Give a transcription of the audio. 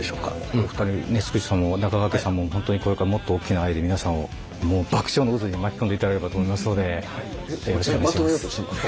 もうすっちーさんも中川家さんも本当にこれからもっと大きな愛で皆さんをもう爆笑の渦に巻き込んでいただければと思いますのでよろしくお願いします。